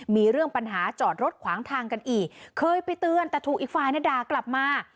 มีเรื่องปัญหาจอดรถขวางทางกันอีกเคยไปเตือนแต่ถูกอีกฝ่ายนะด่ากลับมา